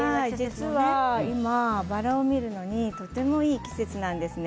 実は今バラを見るのにとてもいい季節なんですね。